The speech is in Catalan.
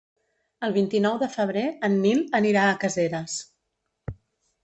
El vint-i-nou de febrer en Nil anirà a Caseres.